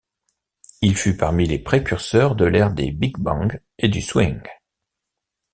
Il fut parmi les précurseurs de l'ère des big bands et du swing.